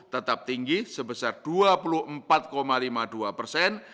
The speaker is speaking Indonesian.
tetap tinggi sebesar dua puluh empat lima puluh dua persen